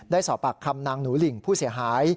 สอบปากคำนางหนูหลิ่งผู้เสียหาย